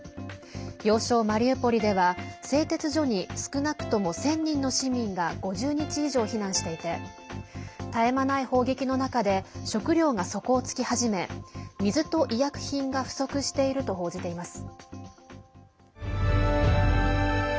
要衝マリウポリでは製鉄所に少なくとも１０００人の市民が５０日以上、避難していて絶え間ない砲撃の中で食料が底をつき始め水と医薬品が不足していると報じています。